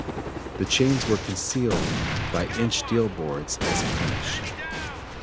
The chains were concealed by inch deal boards as a finish.